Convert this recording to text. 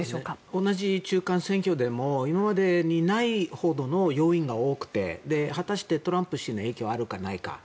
同じ中間選挙でも今までにないほどの要因が多くて果たしてトランプ氏の影響があるのかないのか。